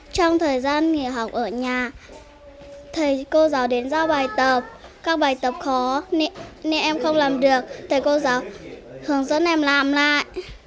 trong thời gian nghỉ học ở nhà thầy cô giáo đến giao bài tập các bài tập khó nên em không làm được thầy cô giáo hướng dẫn em làm lại